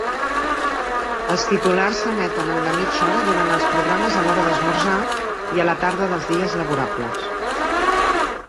Els titulars s'emeten en la mitja hora durant els programes a l'hora d'esmorzar i a la tarda dels dies laborables.